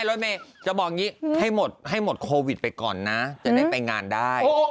รถเมย์ให้หมดโควิทไปก่อนนะจะได้ไปงานได้